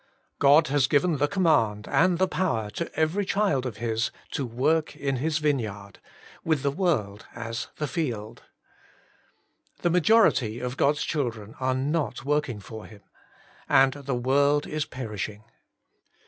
God has given the command and the power to every child of His to work in His vineyard, with the world as the field. The majority of God's children are not working for Him, and the world is perishing.